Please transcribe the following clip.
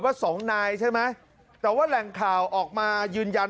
สองนายใช่ไหมแต่ว่าแหล่งข่าวออกมายืนยัน